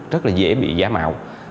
rất là dễ bị giả mạo